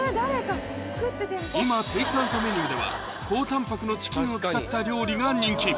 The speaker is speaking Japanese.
今テイクアウトメニューでは高タンパクのチキンを使った料理が人気！